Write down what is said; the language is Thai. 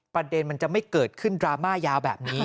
ประเด็นมันจะไม่เกิดขึ้นดราม่ายาวแบบนี้